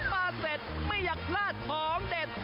มาเสร็จไม่อยากพลาดของเด็ด